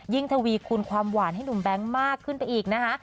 ทวีคูณความหวานให้หนุ่มแบงค์มากขึ้นไปอีกนะคะ